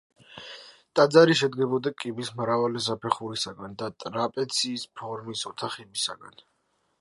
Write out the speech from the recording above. ტაძარი შედგებოდა კიბის მრავალი საფეხურისაგან და ტრაპეციის ფორმის ოთახებისაგან.